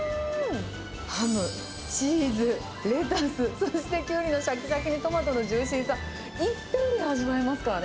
ハム、チーズ、レタス、そしてキュウリのしゃきしゃきに、トマトのジューシーさ、いっぺんに味わえますからね。